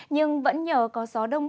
nhưng vẫn nhờ có gió đông